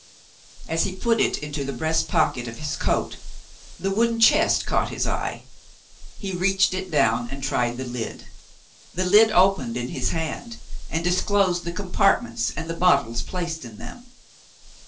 As he put it into the breast pocket of his coat, the wooden chest caught his eye. He reached it down and tried the lid. The lid opened in his hand, and disclosed the compartments and the bottles placed in them.